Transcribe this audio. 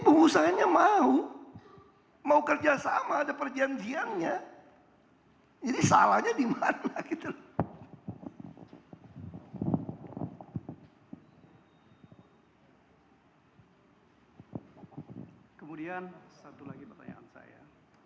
kemudian satu lagi pertanyaan saya